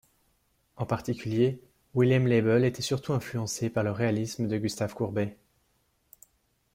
En particulier, Wilhelm Leibl était surtout influencé par le réalisme de Gustave Courbet.